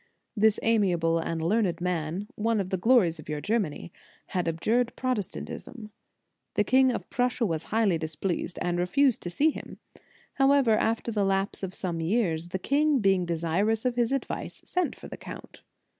This amiable and learned man, one of the glories of your Germany, had abjured Pro testantism. The king of Prussia was highly displeased, and refused to see him. How ever, after the lapse of some years, the king being desirous of his advice, sent for the count.